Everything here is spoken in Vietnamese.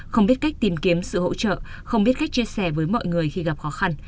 không biết cách tìm kiếm sự hỗ trợ không biết cách chia sẻ với mọi người khi gặp khó khăn